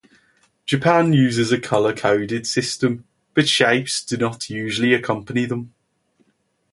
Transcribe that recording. Japan uses a color-coded system, but shapes do not usually accompany them.